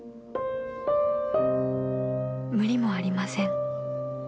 ［無理もありません］